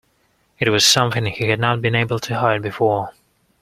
It was something he had not been able to hide before.